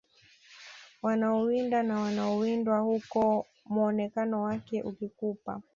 Wanaowinda na wanaowindwa huku muonekano wake ukikupa